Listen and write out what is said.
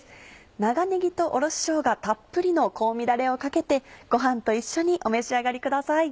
長ねぎとおろししょうがたっぷりの香味だれをかけてご飯と一緒にお召し上がりください。